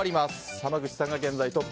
濱口さんが現在トップ。